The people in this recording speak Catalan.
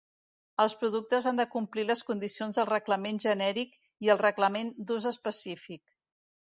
Els productes han de complir les condicions del Reglament genèric i el Reglament d'ús específic.